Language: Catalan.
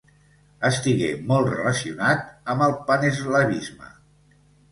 Estigué molt relacionat amb el paneslavisme.